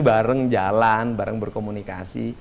bareng jalan bareng berkomunikasi